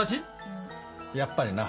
やっぱりな。